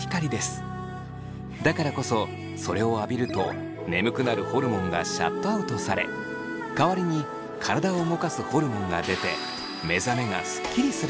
だからこそそれを浴びると眠くなるホルモンがシャットアウトされ代わりに体を動かすホルモンが出て目覚めがスッキリするそうです。